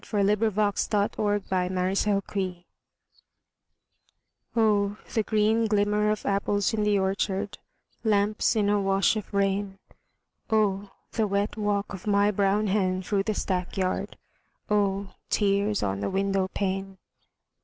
H. LAWRENCE BALLAD OF ANOTHER OPHELIA Oh, the green glimmer of apples in the orchard, Lamps in a wash of rain, Oh, the wet walk of my brown hen through the stackyard, Oh, tears on the window pane!